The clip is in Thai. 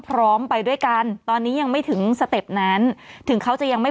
พร้อมไปด้วยกันตอนนี้ยังไม่ถึงสเต็ปนั้นถึงเขาจะยังไม่